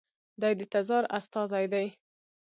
دی د تزار استازی دی.